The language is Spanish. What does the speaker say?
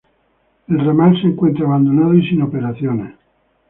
El ramal se encuentra abandonado y sin operaciones.